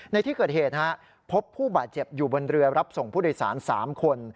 ในที่เกิดเหตุพบผู้บาดเจ็บอยู่บนเรือรับส่งผู้โดยสาร๓คน